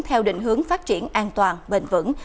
theo định hướng phát triển an toàn bền vững